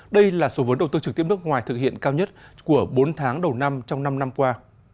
đây là số vốn đầu tư trực tiếp nước ngoài thực hiện cao nhất của bốn tháng đầu năm trong năm năm qua